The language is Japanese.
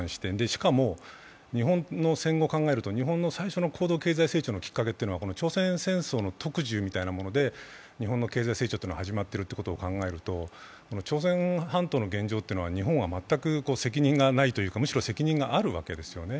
しかも、日本の戦後を考えると日本の高度経済成長を考えるとこの朝鮮戦争の特需みたいなもので日本の経済成長が始まっていることを考えると朝鮮半島の現状というのは、日本は全く責任がないというかむしろ責任があるわけですよね。